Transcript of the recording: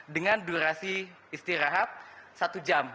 dengan durasi istirahat satu jam